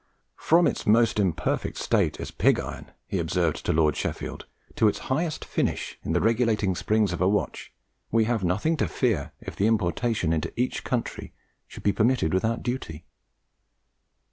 "From its most imperfect state as pig iron," he observed to Lord Sheffield, "to its highest finish in the regulating springs of a watch, we have nothing to fear if the importation into each country should be permitted without duty."